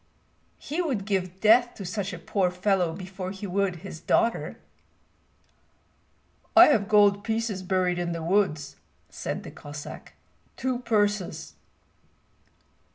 "He would give death to such a poor fellow before he would his daughter." "I have gold pieces buried in the woods," said the Cossack, "two purses."